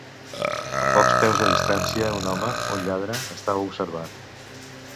A pocs peus de distància un home, un lladre, estava observant.